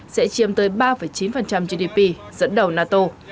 sẽ chiêm tới ba chín gdp dẫn đầu nato